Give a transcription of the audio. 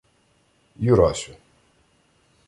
— Юрасю.